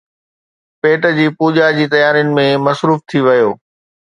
پيٽ جي پوڄا جي تيارين ۾ مصروف ٿي ويو